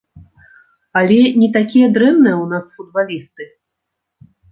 Але не такія дрэнныя ў нас футбалісты.